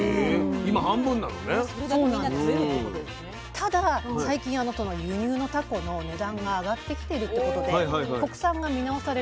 ただ最近この輸入のタコの値段が上がってきてるってことで国産が見直される動きも出てるんですね。